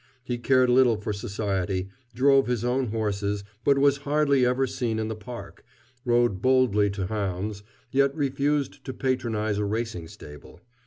He cared little for society; drove his own horses, but was hardly ever seen in the Park; rode boldly to hounds, yet refused to patronize a racing stable.